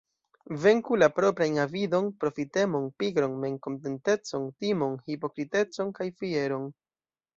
Venku la proprajn avidon, profitemon, pigron, memkontentecon, timon, hipokritecon kaj fieron.